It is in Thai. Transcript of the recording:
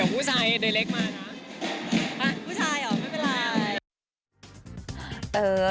ผู้ชายเหรอไม่เป็นไร